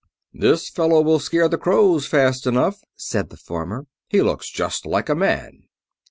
"'This fellow will scare the crows fast enough,' said the farmer. 'He looks just like a man.